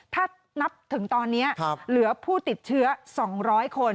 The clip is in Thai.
ถ้านับถึงตอนนี้เหลือผู้ติดเชื้อ๒๐๐คน